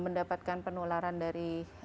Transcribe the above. mendapatkan penularan dari